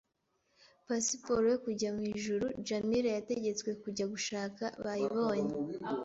Pasiporo yo kujya mu ijuru Djamila yategetswe kujya gushaka bayibonye